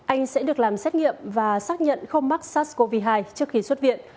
anh sẽ được làm xét nghiệm và xác nhận không mắc sars cov hai trước khi xuất viện